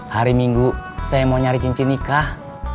hari minggu saya mau nyari cincin nikah